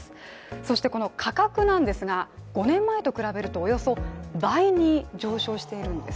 そしてこの価格なんですが、５年前と比べるとおよそ倍に上昇しているんです。